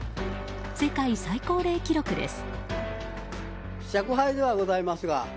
世界最高齢記録です。